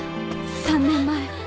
３年前。